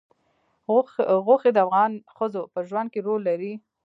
غوښې د افغان ښځو په ژوند کې رول لري.